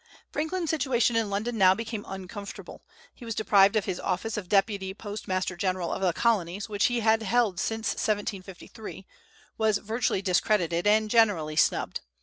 Franklin's situation in London now became uncomfortable; he was deprived of his office of deputy Postmaster General of the Colonies, which he had held since 1753, was virtually discredited, and generally snubbed.